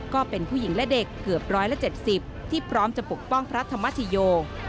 ก็เป็นผู้หญิงและเด็กเกือบ๑๗๐ที่พร้อมจะปกป้องพระธรรมชโย